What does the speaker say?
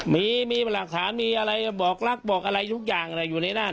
มีมีหลักฐานมีอะไรบอกรักบอกอะไรทุกอย่างอยู่ในนั้น